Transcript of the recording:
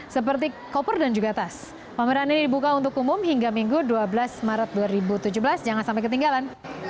seperti koper dan juga tas pameran ini dibuka untuk umum hingga minggu dua belas maret dua ribu tujuh belas jangan sampai ketinggalan